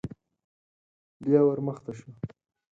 بيا ور مخته شو.